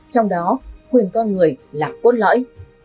trong đó khuyên con người là cốt lõi